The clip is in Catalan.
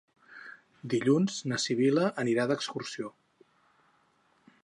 Dilluns na Sibil·la anirà d'excursió.